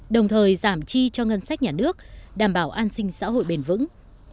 đồng thời giảm chi cho ngân sách nhà nước đảm bảo an sinh xã hội bền vững